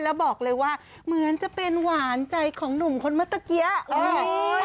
แล้วบอกเลยว่าเหมือนจะเป็นหวานใจของหนุ่มคนเมื่อตะกี้